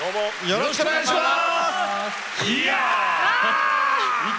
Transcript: よろしくお願いします。